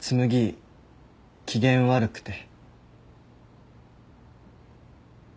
紬機嫌悪くて。